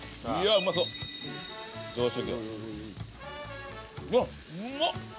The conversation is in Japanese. うまっ！